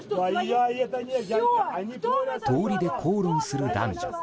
通りで口論する男女。